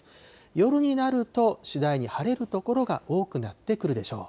夜になると、次第に晴れる所が多くなってくるでしょう。